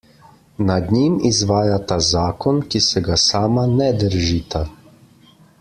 Nad njim izvajata zakon, ki se ga sama ne držita.